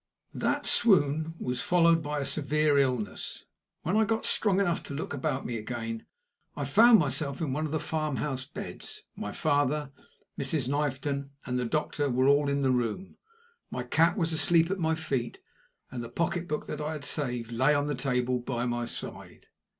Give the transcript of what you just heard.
That swoon was followed by a severe illness. When I got strong enough to look about me again, I found myself in one of the farmhouse beds my father, Mrs. Knifton, and the doctor were all in the room my cat was asleep at my feet, and the pocketbook that I had saved lay on the table by my side.